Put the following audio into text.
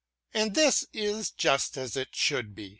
And this is just as it should be.